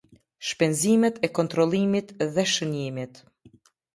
Shpenzimet e kontrollimit dhe shënjimit.